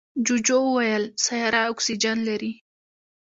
جوجو وویل سیاره اکسیجن لري.